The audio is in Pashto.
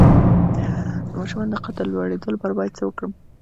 د ماشوم د قد د لوړیدو لپاره باید څه ورکړم؟